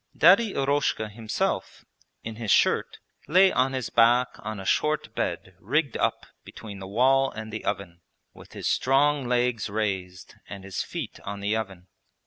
Daddy Eroshka himself, in his shirt, lay on his back on a short bed rigged up between the wall and the oven, with his strong legs raised and his feet on the oven.